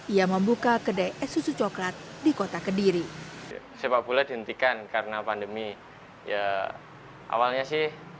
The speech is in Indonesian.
ia membuka kedai es susu coklat di kota kediri sepak bola dihentikan karena pandemi ya awalnya sih